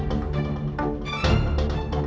kasih tahnih atau tidak